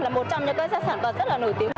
đặc sản sản vật rất là nổi tiếng